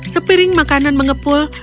sepiring makanan mengepul